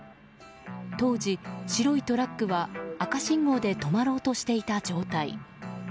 当時、白いトラックは赤信号で止まろうとしていた状態。